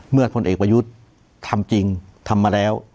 พลเอกประยุทธ์ทำจริงทำมาแล้ว